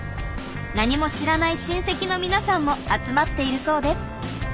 何も知らない親戚の皆さんも集まっているそうです。